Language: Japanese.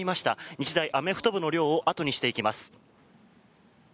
日大アメフト部の寮を後にしていきます。